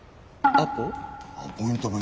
あっ。